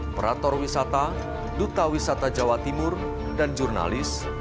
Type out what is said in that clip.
operator wisata duta wisata jawa timur dan jurnalis